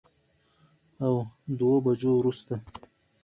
او دوو بجو وروسته